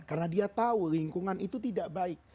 karena dia tahu lingkungan itu tidak baik